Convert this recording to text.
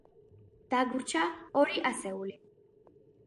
დაგვრჩა ორი ასეული.